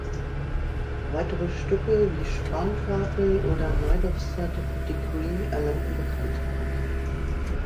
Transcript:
Weitere Stücke, wie "Spanferkel" oder "Knight of Third Degree" erlangten Bekanntheit.